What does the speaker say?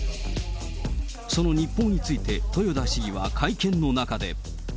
その日報について豊田市議は会見の中で。